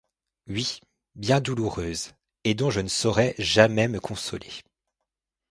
Oui, bien douloureuse, et dont je ne saurai jamais me consoler.